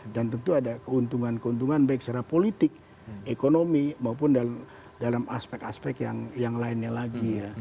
dan tentu ada keuntungan keuntungan baik secara politik ekonomi maupun dalam aspek aspek yang lainnya lagi ya